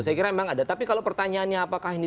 saya kira memang ada tapi kalau pertanyaannya apakah ini